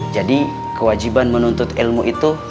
jadi kewajiban menuntut ilmu itu